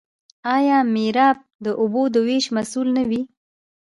آیا میرآب د اوبو د ویش مسوول نه وي؟